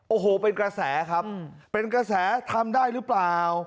โอ้โหเป็นกระแสครับเป็นกระแสทำได้หรือเปล่า